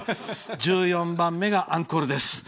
１４番目がアンコールです。